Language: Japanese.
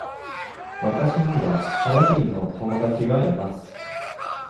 わたしにはタイ人の友達がいます。